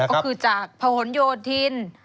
อ่าก็คือจากผงโยทรดิน